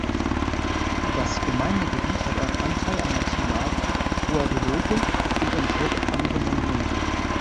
Das Gemeindegebiet hat einen Anteil am Nationalpark Guadeloupe und enthält auch andere Monumente.